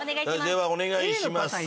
ではお願いします。